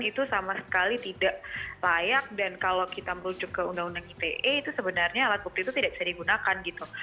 itu sama sekali tidak layak dan kalau kita merujuk ke undang undang ite itu sebenarnya alat bukti itu tidak bisa digunakan gitu